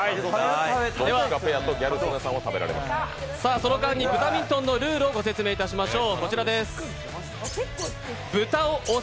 その間に「ブタミントン」のルールをご説明いたしましょう。